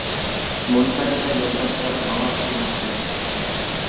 مۇنبەردە يول باشلاپ ماڭار ئىدىڭ سەن.